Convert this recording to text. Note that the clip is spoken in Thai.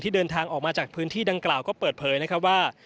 เดินทางออกมาจากพื้นที่ดังกล่าวก็เปิดเผยนะครับว่า